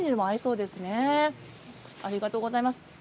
ありがとうございます。